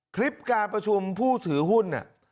คลิปการประชุมผู้ถือหุ้น